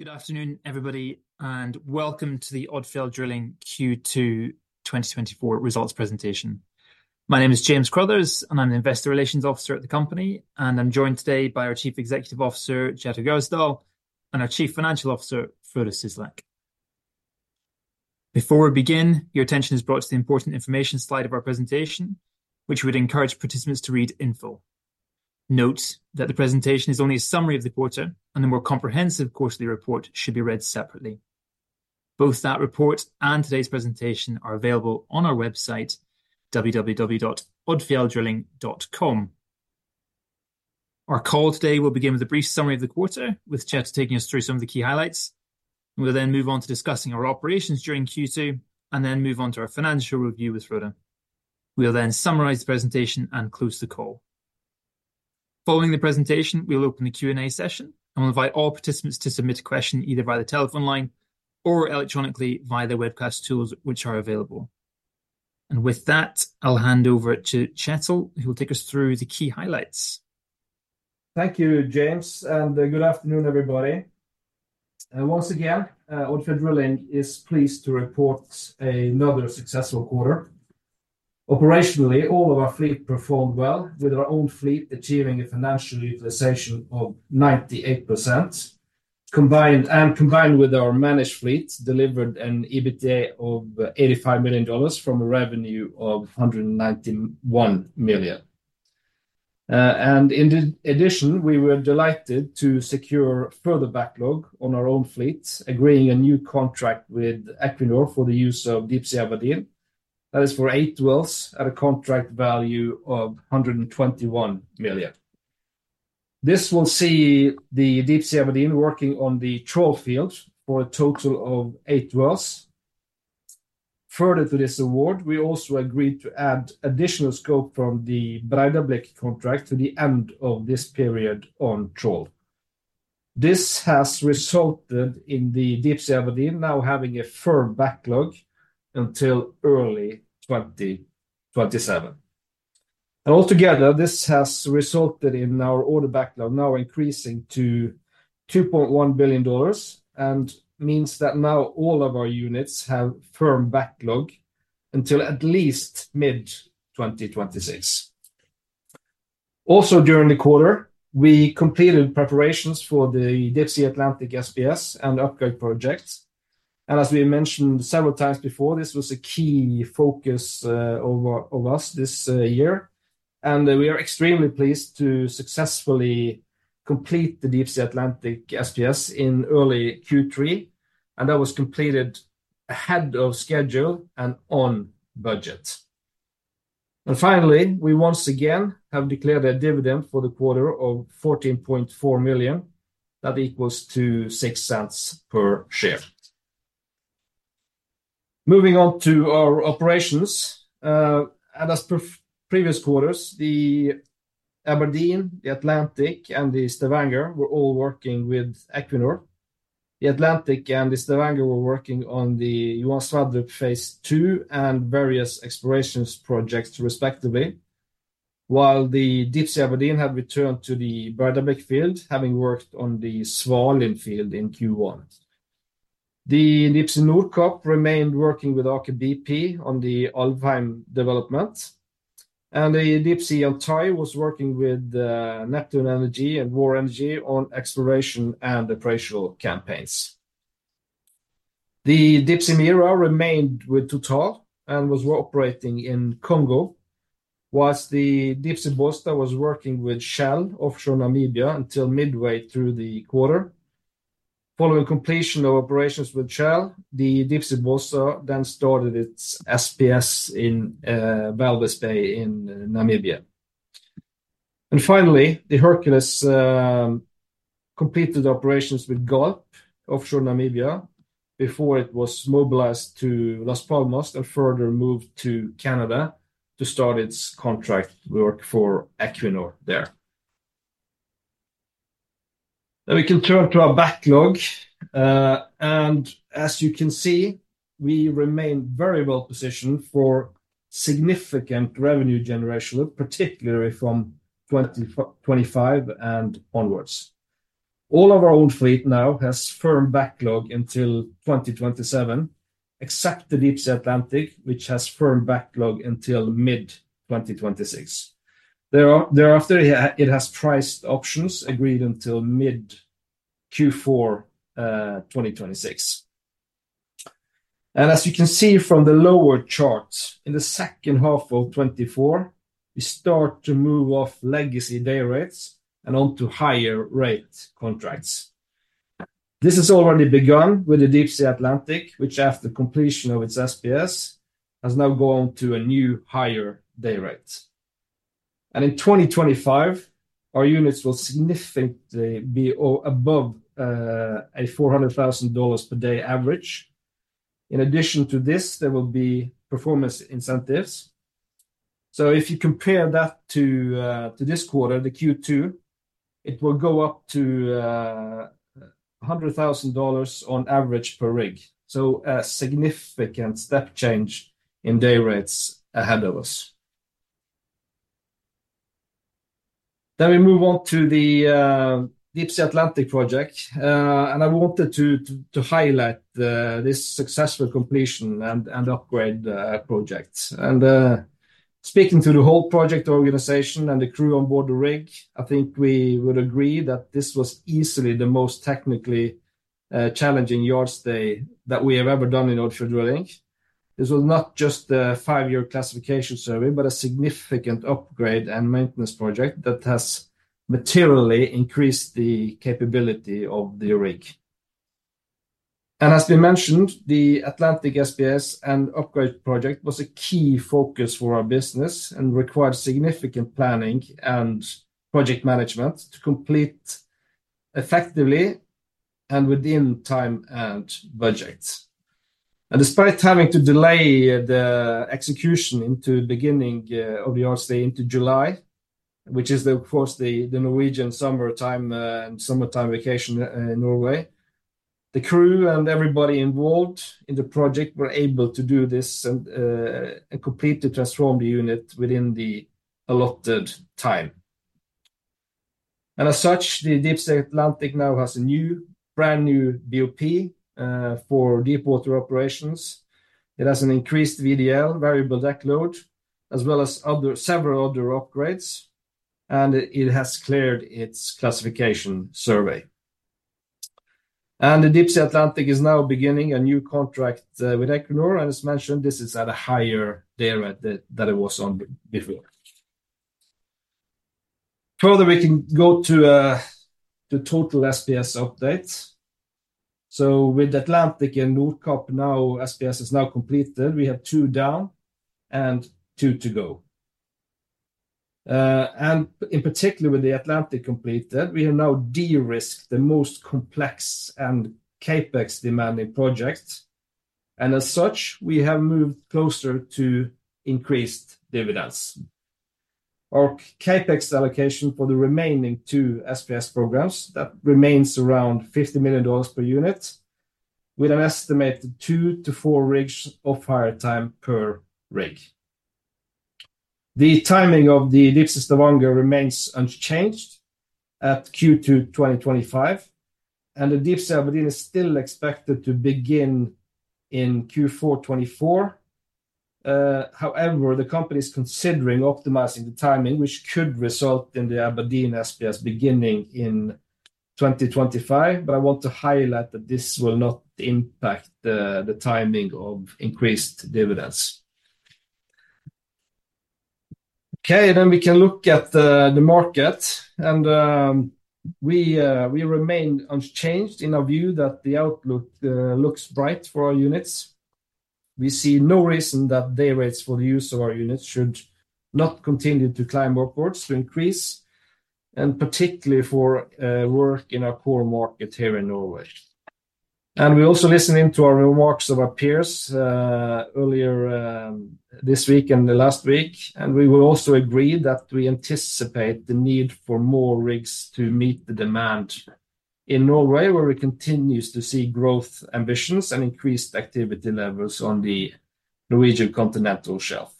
Good afternoon, everybody, and welcome to the Odfjell Drilling Q2 2024 results presentation. My name is James Crothers, and I'm the Investor Relations Officer at the company, and I'm joined today by our Chief Executive Officer, Kjetil Gjersdal, and our Chief Financial Officer, Frode Syslak. Before we begin, your attention is brought to the important information slide of our presentation, which we would encourage participants to read in full. Note that the presentation is only a summary of the quarter, and the more comprehensive quarterly report should be read separately. Both that report and today's presentation are available on our website, www.odfjelldrilling.com. Our call today will begin with a brief summary of the quarter, with Kjetil taking us through some of the key highlights. We'll then move on to discussing our operations during Q2, and then move on to our financial review with Frode. We'll then summarize the presentation and close the call. Following the presentation, we'll open the Q&A session and we'll invite all participants to submit a question, either via the telephone line or electronically via the webcast tools which are available. And with that, I'll hand over to Kjetil, who will take us through the key highlights. Thank you, James, and good afternoon, everybody. Once again, Odfjell Drilling is pleased to report another successful quarter. Operationally, all of our fleet performed well, with our own fleet achieving a financial utilization of 98%. Combined with our managed fleet, delivered an EBITDA of $85 million from a revenue of $191 million. And in addition, we were delighted to secure further backlog on our own fleet, agreeing a new contract with Equinor for the use of Deepsea Aberdeen. That is for eight wells at a contract value of $121 million. This will see the Deepsea Aberdeen working on the Troll field for a total of eight wells. Further to this award, we also agreed to add additional scope from the Breidablikk contract to the end of this period on Troll. This has resulted in the Deepsea Aberdeen now having a firm backlog until early 2027. Altogether, this has resulted in our order backlog now increasing to $2.1 billion, and means that now all of our units have firm backlog until at least mid-2026. Also, during the quarter, we completed preparations for the Deepsea Atlantic SPS and upgrade projects. As we mentioned several times before, this was a key focus of us this year. We are extremely pleased to successfully complete the Deepsea Atlantic SPS in early Q3, and that was completed ahead of schedule and on budget. Finally, we once again have declared a dividend for the quarter of $14.4 million. That equals $0.06 per share. Moving on to our operations, and as per previous quarters, the Aberdeen, the Atlantic, and the Stavanger were all working with Equinor. The Atlantic and the Stavanger were working on the Johan Sverdrup Phase two and various exploration projects, respectively. While the Deepsea Aberdeen had returned to the Breidablikk field, having worked on the Svalin field in Q1. The Deepsea Nordkapp remained working with Aker BP on the Alvheim development, and the Deepsea Yantai was working with Neptune Energy and Vår Energi on exploration and appraisal campaigns. The Deepsea Mira remained with Total and was operating in Congo, while the Deepsea Bollsta was working with Shell Offshore Namibia until midway through the quarter. Following completion of operations with Shell, the Deepsea Bollsta then started its SPS in Walvis Bay in Namibia. And finally, the Hercules completed operations with Galp offshore Namibia, before it was mobilized to Las Palmas and further moved to Canada to start its contract work for Equinor there. Then we can turn to our backlog, and as you can see, we remain very well positioned for significant revenue generation, particularly from twenty-five and onwards. All of our own fleet now has firm backlog until 2027, except the Deepsea Atlantic, which has firm backlog until mid-2026. Thereafter, it has priced options agreed until mid-Q4 2026. And as you can see from the lower charts, in the second half of 2024, we start to move off legacy day rates and onto higher rate contracts. This has already begun with the Deepsea Atlantic, which, after completion of its SPS, has now gone to a new higher day rate. In 2025, our units will significantly be above $400,000 per day average. In addition to this, there will be performance incentives. If you compare that to this quarter, the Q2, it will go up to $100,000 on average per rig. A significant step change in day rates ahead of us. We move on to the Deepsea Atlantic project. I wanted to highlight this successful completion and upgrade project. Speaking to the whole project organization and the crew on board the rig, I think we would agree that this was easily the most technically challenging yard stay that we have ever done in offshore drilling. This was not just the five-year classification survey, but a significant upgrade and maintenance project that has materially increased the capability of the rig. And as we mentioned, the Atlantic SPS and upgrade project was a key focus for our business and required significant planning and project management to complete effectively and within time and budget. And despite having to delay the execution into beginning of the yard stay into July, which is, of course, the Norwegian summertime vacation in Norway, the crew and everybody involved in the project were able to do this and completely transform the unit within the allotted time. And as such, the Deepsea Atlantic now has a new, brand-new BOP for deepwater operations. It has an increased VDL, variable deck load, as well as several other upgrades, and it has cleared its classification survey. The Deepsea Atlantic is now beginning a new contract with Equinor, and as mentioned, this is at a higher day rate than it was on before. Further, we can go to the total SPS updates. With Atlantic and Nordkapp now, SPS is now completed. We have two down and two to go. And in particular, with the Atlantic completed, we have now de-risked the most complex and CapEx demanding projects, and as such, we have moved closer to increased dividends. Our CapEx allocation for the remaining two SPS programs that remains around $50 million per unit, with an estimated two to four rigs of hire time per rig. The timing of the Deepsea Stavanger remains unchanged at Q2 2025, and the Deepsea Aberdeen is still expected to begin in Q4 2024. However, the company is considering optimizing the timing, which could result in the Aberdeen SPS beginning in 2025. But I want to highlight that this will not impact the timing of increased dividends. Okay, then we can look at the market, and we remain unchanged in our view that the outlook looks bright for our units. We see no reason that dayrates for the use of our units should not continue to climb upwards to increase, and particularly for work in our core market here in Norway. And we're also listening to our remarks of our peers earlier this week and the last week, and we will also agree that we anticipate the need for more rigs to meet the demand in Norway, where we continues to see growth ambitions and increased activity levels on the Norwegian Continental Shelf.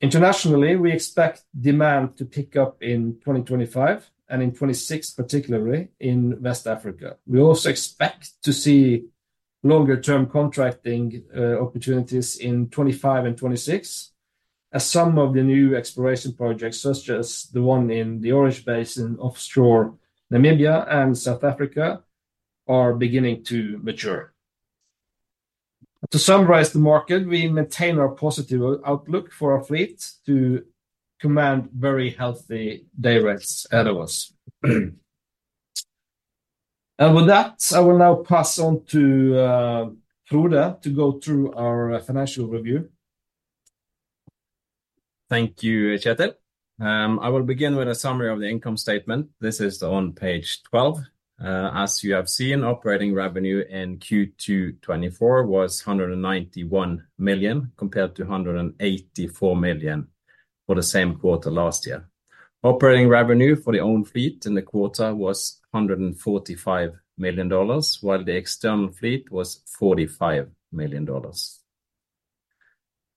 Internationally, we expect demand to pick up in 2025 and in 2026, particularly in West Africa. We also expect to see longer-term contracting opportunities in 2025 and 2026, as some of the new exploration projects, such as the one in the Orange Basin offshore Namibia and South Africa, are beginning to mature. To summarize the market, we maintain our positive outlook for our fleet to command very healthy day rates ahead of us. With that, I will now pass on to Frode to go through our financial review. Thank you, Kjetil. I will begin with a summary of the income statement. This is on page 12. As you have seen, operating revenue in Q2 twenty-four was $191 million, compared to $184 million for the same quarter last year. Operating revenue for the own fleet in the quarter was $145 million, while the external fleet was $45 million.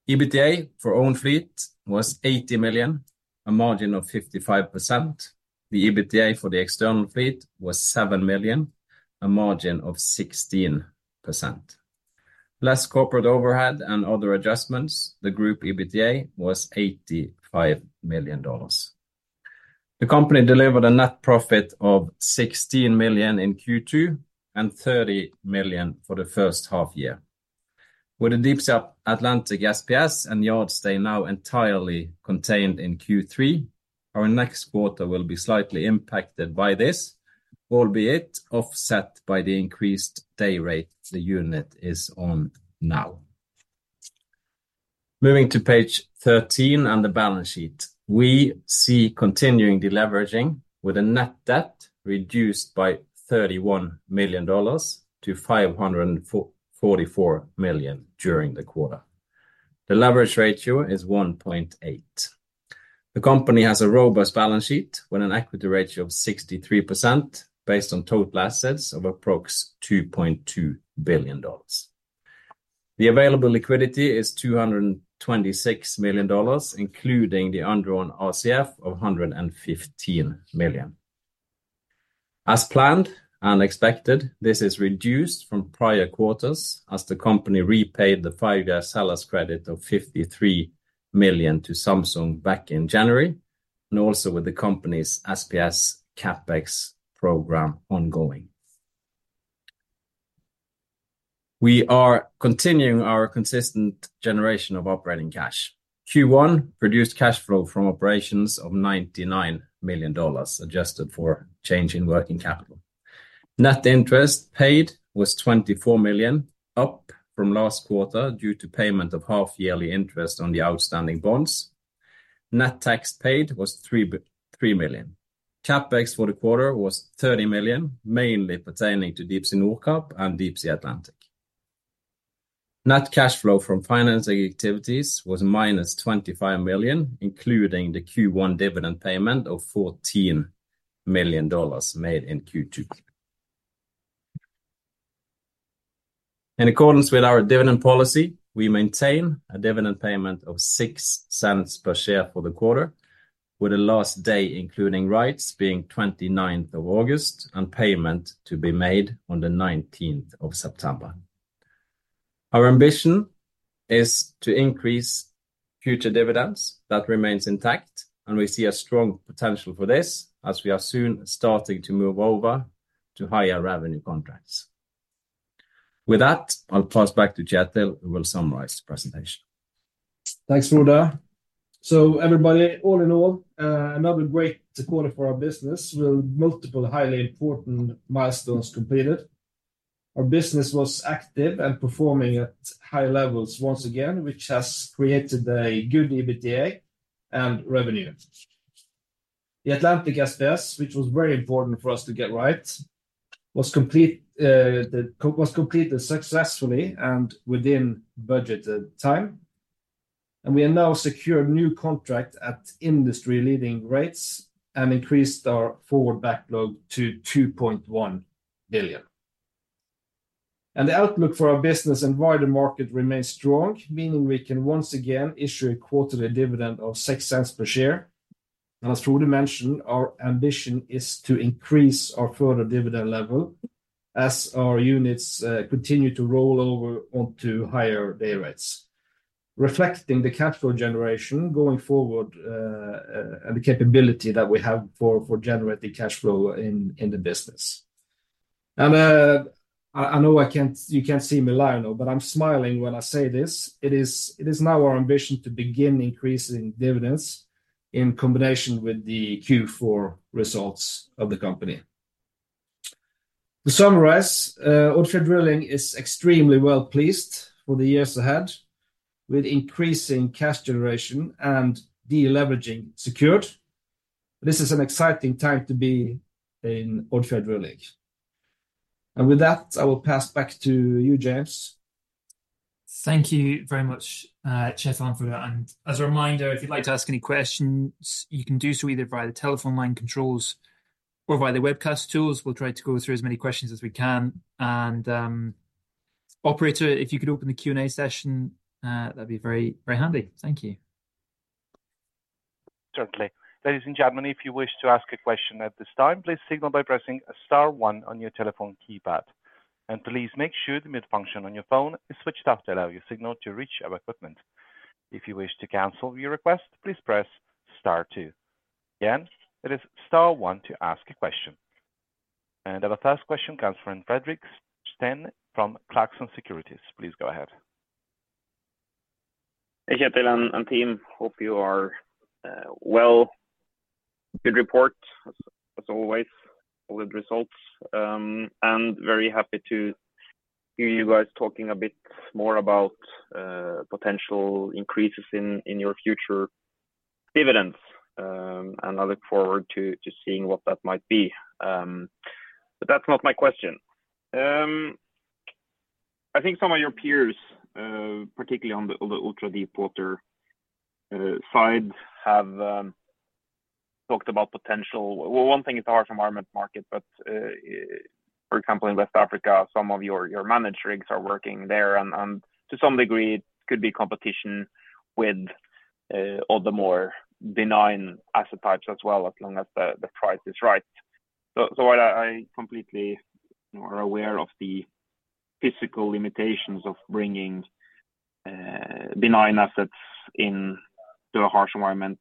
EBITDA for own fleet was $80 million, a margin of 55%. The EBITDA for the external fleet was $7 million, a margin of 16%. Less corporate overhead and other adjustments, the group EBITDA was $85 million. The company delivered a net profit of $16 million in Q2 and $30 million for the first half year. With the Deepsea Atlantic SPS and yard stay now entirely contained in Q3, our next quarter will be slightly impacted by this, albeit offset by the increased day rate the unit is on now. Moving to page 13 and the balance sheet. We see continuing deleveraging with a net debt reduced by $31 million to $544 million during the quarter. The leverage ratio is 1.8. The company has a robust balance sheet with an equity ratio of 63%, based on total assets of approximately $2.2 billion.... The available liquidity is $226 million, including the undrawn RCF of $115 million. As planned and expected, this is reduced from prior quarters as the company repaid the 5-year seller's credit of $53 million to Samsung back in January, and also with the company's SPS CapEx program ongoing. We are continuing our consistent generation of operating cash. Q1 produced cash flow from operations of $99 million, adjusted for change in working capital. Net interest paid was $24 million, up from last quarter due to payment of half yearly interest on the outstanding bonds. Net tax paid was $3 million. CapEx for the quarter was $30 million, mainly pertaining to Deepsea Nordkapp and Deepsea Atlantic. Net cash flow from financing activities was minus $25 million, including the Q1 dividend payment of $14 million made in Q2. In accordance with our dividend policy, we maintain a dividend payment of $0.06 per share for the quarter, with the last day including rights being twenty-ninth of August, and payment to be made on the nineteenth of September. Our ambition is to increase future dividends. That remains intact, and we see a strong potential for this, as we are soon starting to move over to higher revenue contracts. With that, I'll pass back to Kjetil, who will summarize the presentation. Thanks, Frode. Everybody, all in all, another great quarter for our business, with multiple highly important milestones completed. Our business was active and performing at high levels once again, which has created a good EBITDA and revenue. The Atlantic SPS, which was very important for us to get right, was completed successfully and within budgeted time, and we have now secured new contract at industry-leading rates and increased our forward backlog to $2.1 billion, and the outlook for our business and wider market remains strong, meaning we can once again issue a quarterly dividend of $0.06 per share. As Frode mentioned, our ambition is to increase our further dividend level as our units continue to roll over onto higher day rates, reflecting the cash flow generation going forward, and the capability that we have for generating cash flow in the business. I know I can't—you can't see me laugh now, but I'm smiling when I say this. It is now our ambition to begin increasing dividends in combination with the Q4 results of the company. To summarize, Odfjell Drilling is extremely well pleased for the years ahead, with increasing cash generation and de-leveraging secured. This is an exciting time to be in Odfjell Drilling. With that, I will pass back to you, James. Thank you very much, Kjetil, for that. And as a reminder, if you'd like to ask any questions, you can do so either via the telephone line controls or via the webcast tools. We'll try to go through as many questions as we can. And, operator, if you could open the Q&A session, that'd be very, very handy. Thank you. Certainly. Ladies and gentlemen, if you wish to ask a question at this time, please signal by pressing star one on your telephone keypad. And please make sure the mute function on your phone is switched off to allow your signal to reach our equipment. If you wish to cancel your request, please press star two. Again, it is star one to ask a question. And our first question comes from Fredrik Stene from Clarksons Securities. Please go ahead. Hey, Kjetil and team. Hope you are well. Good report, as always, good results. And very happy to hear you guys talking a bit more about potential increases in your future dividends. And I look forward to seeing what that might be. But that's not my question. I think some of your peers, particularly on the ultra-deepwater side, have talked about potential. Well, one thing is a harsh environment market, but for example, in West Africa, some of your managed rigs are working there, and to some degree, it could be competition with other more benign asset types as well, as long as the price is right. So, what I completely more aware of the physical limitations of bringing benign assets into a harsh environment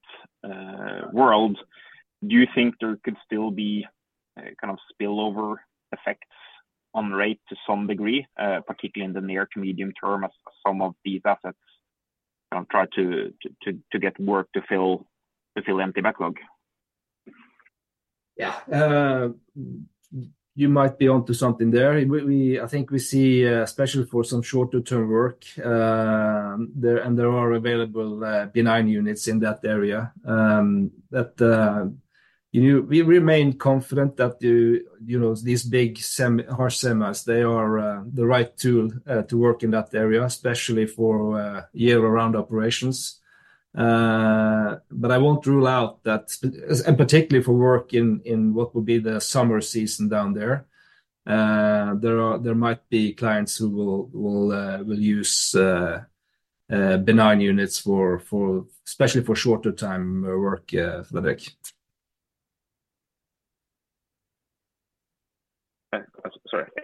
world. Do you think there could still be kind of spillover effects on rate to some degree, particularly in the near to medium term, as some of these assets try to get work to fill empty backlog? Yeah. You might be onto something there. I think we see, especially for some shorter-term work, there, and there are available benign units in that area. You know, we remain confident that the, you know, these big semis, harsh semis, they are the right tool to work in that area, especially for year-round operations. But I won't rule out that and particularly for work in what would be the summer season down there. There might be clients who will use benign units for especially for shorter time work, Fredrik.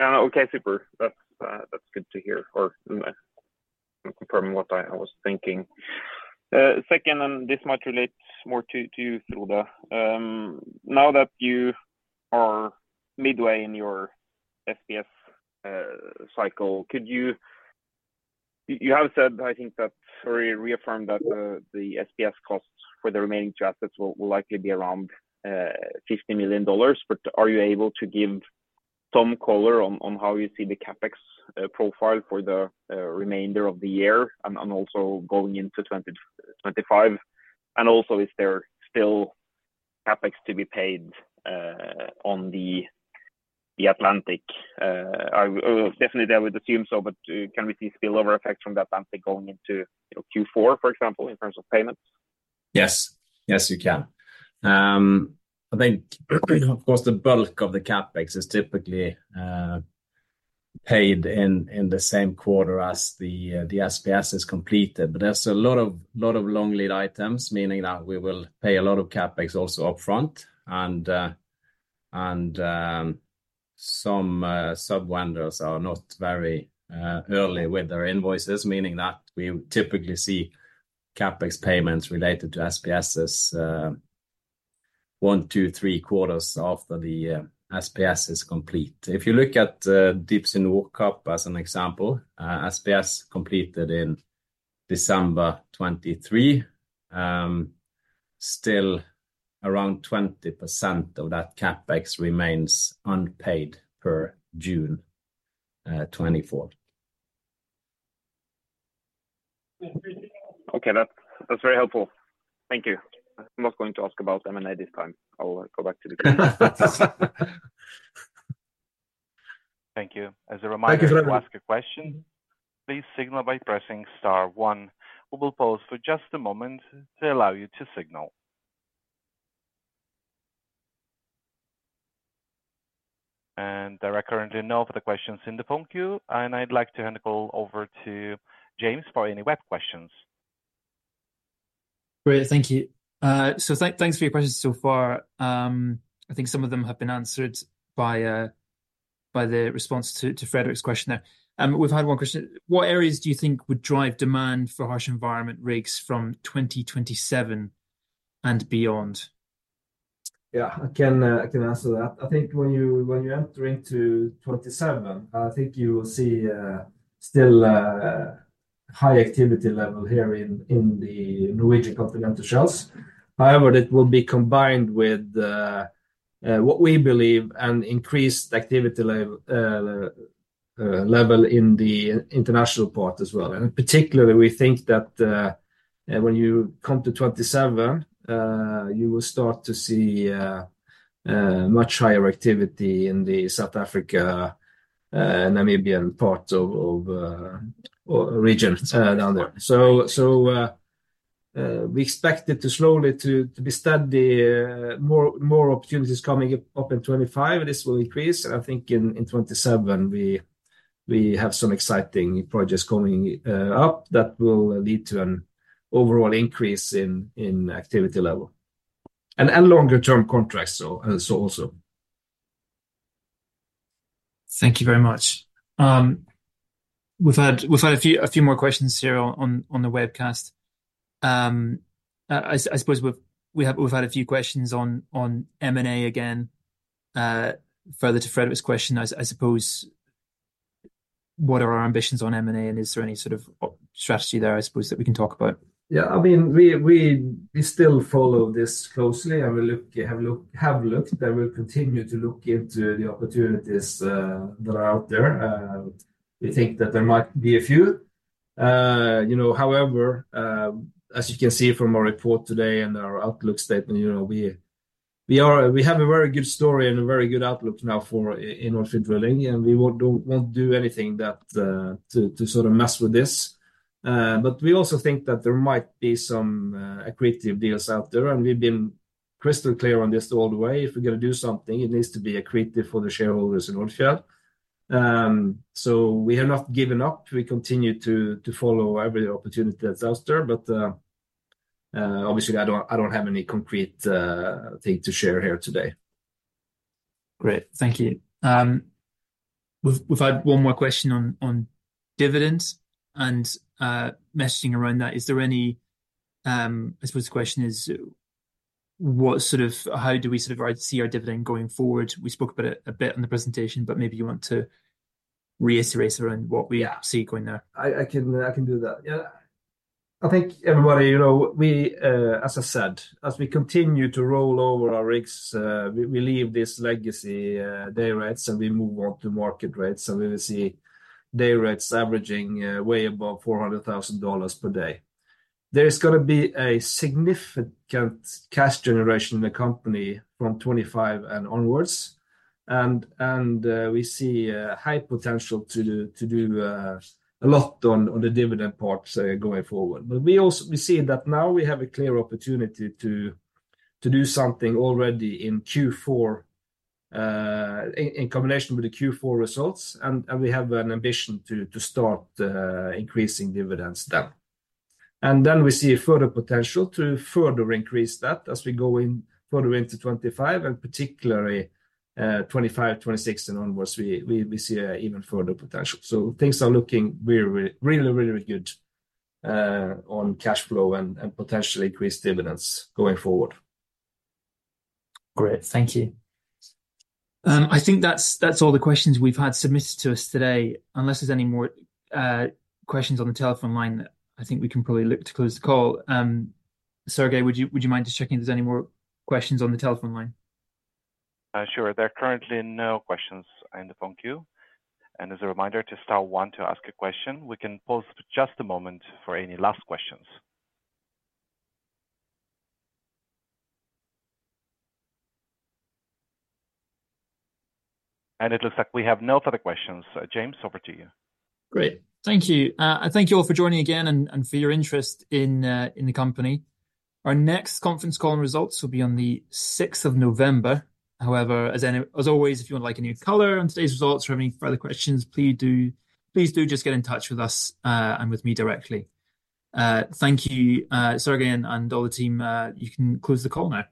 Sorry. Okay, super. That's good to hear or confirming what I was thinking. Second, and this might relate more to you, Frode. Now that you are midway in your SPS cycle, could you have said, I think, that or reaffirmed that the SPS costs for the remaining two assets will likely be around $50 million. But are you able to give some color on how you see the CapEx profile for the remainder of the year and also going into 2025? And also is there still CapEx to be paid on the Atlantic? I definitely would assume so, but can we see spillover effect from the Atlantic going into, you know, Q4, for example, in terms of payments? Yes. Yes, we can. I think, of course, the bulk of the CapEx is typically paid in the same quarter as the SPS is completed. But there's a lot of long lead items, meaning that we will pay a lot of CapEx also upfront. And some sub vendors are not very early with their invoices, meaning that we `see CapEx payments related to SPS as one to three quarters after the SPS is complete. If you look at Deepsea Nordkapp as an example, SPS completed in December 2023, still around 20% of that CapEx remains unpaid per June 2024. Okay, that's very helpful. Thank you. I'm not going to ask about M&A this time. I'll go back to the group. Thank you. Thank you very much. As a reminder, to ask a question, please signal by pressing star one. We will pause for just a moment to allow you to signal. And there are currently no further questions in the phone queue, and I'd like to hand the call over to James for any web questions. Great. Thank you. So thanks for your questions so far. I think some of them have been answered by the response to Fredrik's question there. We've had one question: What areas do you think would drive demand for harsh environment rigs from 2027 and beyond? Yeah, I can answer that. I think when you're entering 2027, I think you will see still high activity level here in the Norwegian Continental Shelf. However, it will be combined with what we believe an increased activity level in the international part as well. And particularly, we think that when you come to 2027, you will start to see much higher activity in the South Africa Namibian part of or region down there. So we expect it to slowly to be steady more opportunities coming up in 2025. This will increase, and I think in 2027, we have some exciting projects coming up that will lead to an overall increase in activity level and longer-term contracts, so also. Thank you very much. We've had a few more questions here on the webcast. I suppose we've had a few questions on M&A again. Further to Fredrik's question, I suppose, what are our ambitions on M&A, and is there any sort of strategy there, I suppose, that we can talk about? Yeah, I mean, we still follow this closely, and we have looked and we'll continue to look into the opportunities that are out there. We think that there might be a few. You know, however, as you can see from our report today and our outlook statement, you know, we have a very good story and a very good outlook now in offshore drilling, and we won't do anything to sort of mess with this. But we also think that there might be some accretive deals out there, and we've been crystal clear on this all the way. If we're gonna do something, it needs to be accretive for the shareholders in Odfjell. So we have not given up. We continue to follow every opportunity that's out there, but obviously, I don't have any concrete thing to share here today. Great. Thank you. We've had one more question on dividends and messaging around that. I suppose the question is, what sort of how do we sort of see our dividend going forward? We spoke about it a bit in the presentation, but maybe you want to reiterate around what we Yeah See going there. I can do that. Yeah, I think everybody, you know, as I said, as we continue to roll over our rigs, we leave this legacy day rates, and we move on to market rates, and we will see day rates averaging way above $400,000 per day. There's gonna be a significant cash generation in the company from 2025 and onwards, and we see a high potential to do a lot on the dividend part going forward. But we also see that now we have a clear opportunity to do something already in Q4, in combination with the Q4 results, and we have an ambition to start increasing dividends then. And then we see further potential to further increase that as we go in further into 2025, and particularly 2025, 2026 and onwards, we see even further potential. So things are looking really, really, really good on cash flow and potentially increased dividends going forward. Great. Thank you. I think that's all the questions we've had submitted to us today. Unless there's any more questions on the telephone line, I think we can probably look to close the call. Sergey, would you mind just checking if there's any more questions on the telephone line? Sure. There are currently no questions in the phone queue. And as a reminder to star one to ask a question, we can pause for just a moment for any last questions. And it looks like we have no further questions. James, over to you. Great. Thank you. I thank you all for joining again and for your interest in the company. Our next conference call and results will be on the sixth of November. However, as always, if you would like any color on today's results or any further questions, please do just get in touch with us and with me directly. Thank you, Sergey and all the team. You can close the call now.